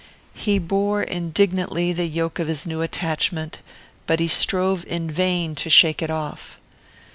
He bore indignantly the yoke of his new attachment, but he strove in vain to shake it off.